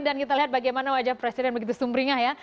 dan kita lihat bagaimana wajah presiden begitu sumbringah ya